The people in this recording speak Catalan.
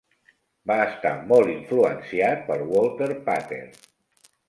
Va estar molt influenciat per Walter Pater.